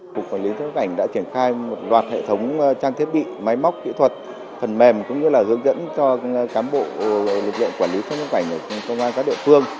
cục quản lý xuất cảnh đã triển khai một loạt hệ thống trang thiết bị máy móc kỹ thuật phần mềm cũng như là hướng dẫn cho cán bộ lực lượng quản lý xuất nhập cảnh công an các địa phương